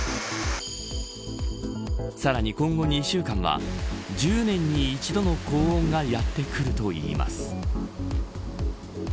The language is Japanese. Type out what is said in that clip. さらに今後２週間は１０年に１度の高温がやってくるといいます。